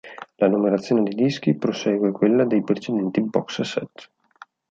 La numerazione dei dischi prosegue quella dei precedenti box set.